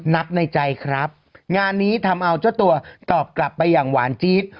นักในใจครับงานนี้ทำเอาเจ้าตัวตอบกลับไปอย่างหวานจี๊ด